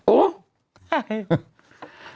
โอ๊ย